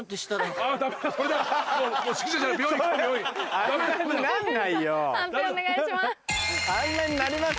判定お願いします。